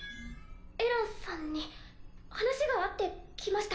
エランさんに話があって来ました。